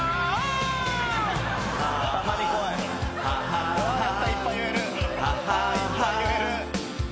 いっぱい言える。